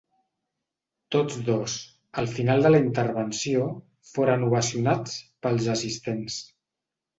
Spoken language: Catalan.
Tots dos, al final de la intervenció, foren ovacionats pels assistents.